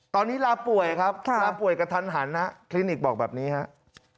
ตอนนี้ลาป่วยครับลาป่วยกระทันหันนะคลินิกบอกแบบนี้ครับ